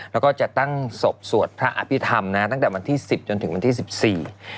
แล้วก็จะตั้งศพสวรรค์พระอภิษฐรรมตั้งแต่วันที่๑๐จนถึงวันที่๑๔